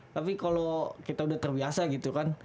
tapi kalau kita udah terbiasa gitu kan